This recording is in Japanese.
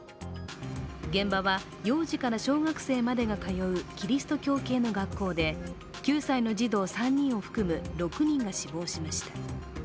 現場は幼児から小学生までが通うキリスト教系の学校で、９歳の児童３人を含む６人が死亡しました。